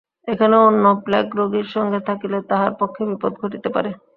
এখানে অন্য প্লেগরোগীর সঙ্গে থাকিলে তাহার পক্ষে বিপদ ঘটিতে পারে।